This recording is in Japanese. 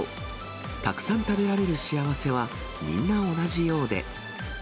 たくさん食べられる幸せは、みんな同じようで。